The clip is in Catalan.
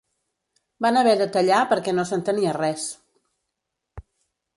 Van haver de tallar perquè no s'entenia res.